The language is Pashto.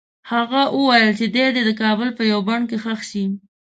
هغه وویل چې دی دې د کابل په یوه بڼ کې ښخ شي.